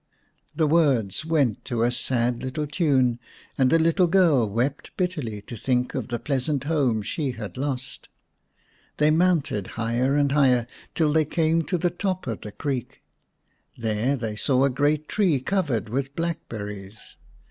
The words went to a sad little tune, and the little girl wept bitterly to think of the pleasant home she had lost. They mounted higher and higher till they came to the top of the creek. There they saw a great tree covered with black berries.